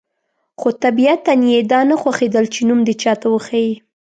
خو طبیعتاً یې دا نه خوښېدل چې نوم دې چاته وښيي.